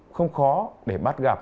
không khó để bắt gặp